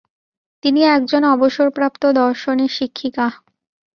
তিনি একজন অবসরপ্রাপ্ত দর্শনের শিক্ষিকা।